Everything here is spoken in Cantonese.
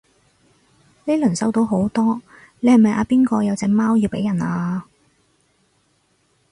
呢輪收到好多你係咪阿邊個有隻貓要俾人啊？